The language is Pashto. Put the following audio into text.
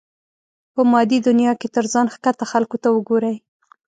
په مادي دنيا کې تر ځان ښکته خلکو ته وګورئ.